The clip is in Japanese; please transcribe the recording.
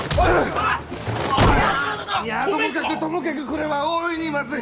平八郎殿！いやともかくともかくこれは大いにまずい！